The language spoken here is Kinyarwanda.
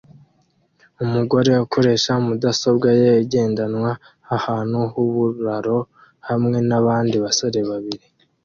Umugabo ukoresha mudasobwa ye igendanwa ahantu h'uburaro hamwe nabandi basore babiri